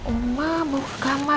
oma mau ke kamar